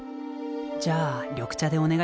じゃあ緑茶でお願いします。